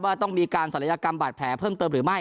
ว่าต้องมีการศัลยกรรมบาดแผลเพิ่มเติมหรือไม่